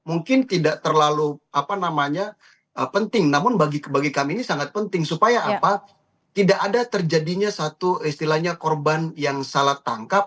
mungkin tidak terlalu penting namun bagi kami ini sangat penting supaya apa tidak ada terjadinya satu istilahnya korban yang salah tangkap